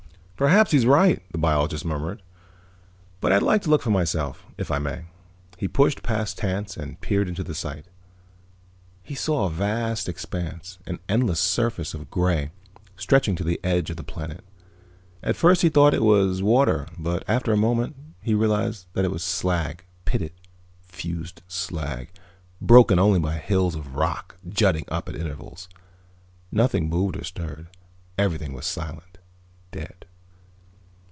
"Perhaps he's right," the biologist murmured. "But I'd like to look for myself, if I may." He pushed past Tance and peered into the sight. He saw a vast expanse, an endless surface of gray, stretching to the edge of the planet. At first he thought it was water but after a moment he realized that it was slag, pitted, fused slag, broken only by hills of rock jutting up at intervals. Nothing moved or stirred. Everything was silent, dead.